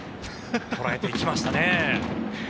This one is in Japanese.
捉えていきましたね。